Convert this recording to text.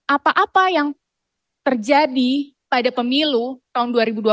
apa apa yang terjadi pada pemilu tahun dua ribu dua puluh